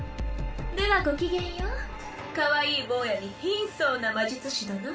ではごきげんようかわいい坊やに貧相な魔術士殿。